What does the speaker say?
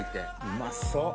うまそう。